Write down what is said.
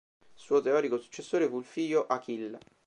Suo teorico successore fu il figlio ʿAqīl.